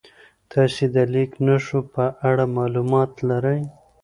تاسې د لیک نښو په اړه معلومات لرئ؟